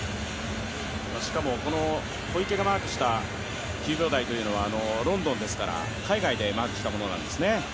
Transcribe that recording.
しかも小池がマークした９秒台というのはロンドンですから、海外でマークしたものなんですね。